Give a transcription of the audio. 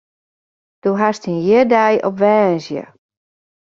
Do hast dyn jierdei op woansdei.